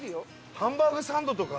ハンバーグサンドとか？